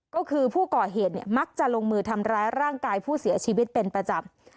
ก็คือผู้ก่อเหตุมักจะลงมือทำร้ายร่างกายผู้เสียชีวิตเป็นประจำ